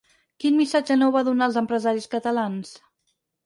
Quin missatge nou va donar als empresaris catalans?